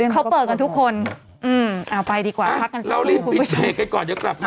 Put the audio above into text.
เขาเปิดกันทุกคนเอาไปดีกว่าพักกันสักครู่คุณผู้ชมค่ะเรารีบปิดเจนกันก่อนเดี๋ยวกลับค่ะ